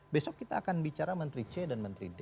besok kita akan bicara menteri c dan menteri d